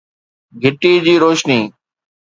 گهٽي جي روشني